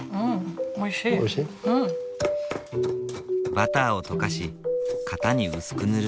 バターを溶かし型に薄く塗る。